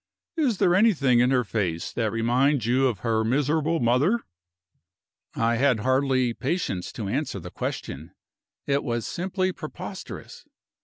Is there anything in her face that reminds you of her miserable mother?" I had hardly patience to answer the question: it was simply preposterous.